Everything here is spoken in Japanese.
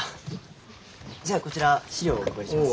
じゃあこちら資料をお配りします。